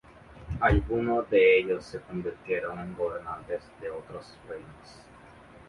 Algunos de ellos se convirtieron en gobernantes de otros reinos.